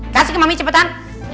kasih ke mami cepetan